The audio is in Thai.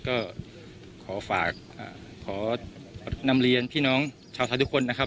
ก็ขอฝากขอนำเรียนพี่น้องชาวไทยทุกคนนะครับ